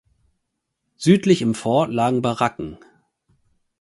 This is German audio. Südlich im Fort lagen Baracken.